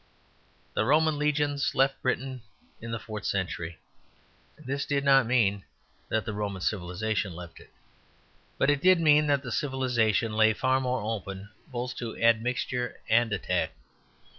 The Roman legions left Britain in the fourth century. This did not mean that the Roman civilization left it; but it did mean that the civilization lay far more open both to admixture and attack.